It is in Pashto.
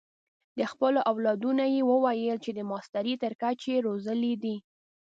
د خپلو اولادونو یې وویل چې د ماسټرۍ تر کچې یې روزلي دي.